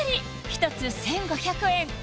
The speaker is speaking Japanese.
１つ１５００円